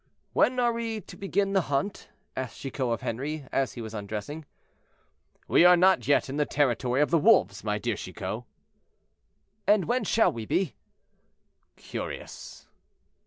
"When are we to begin the hunt?" asked Chicot of Henri, as he was undressing. "We are not yet in the territory of the wolves, my dear Chicot." "And when shall we be?" "Curious!"